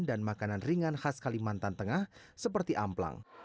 dan makanan ringan khas kalimantan tengah seperti amplang